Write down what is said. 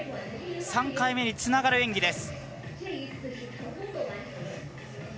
３回目につながる演技です。